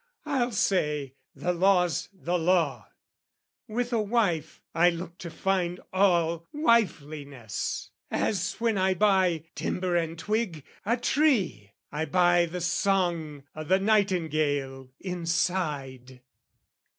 I'll say the law's the law: With a wife, I look to find all wifeliness, As when I buy, timber and twig, a tree I buy the song o' the nightingale inside.